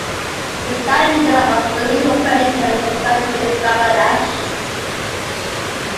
The diameter of relief operations were expanded to Bangladesh.